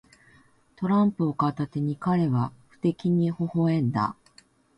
トランプを片手に、彼は不敵にほほ笑んだ。